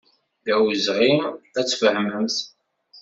D awezɣi ad tfehmemt.